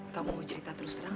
kamu cerita terus terang